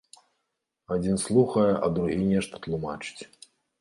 Адзін слухае, а другі нешта тлумачыць.